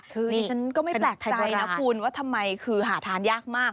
คือดิฉันก็ไม่แปลกใจนะคุณว่าทำไมคือหาทานยากมาก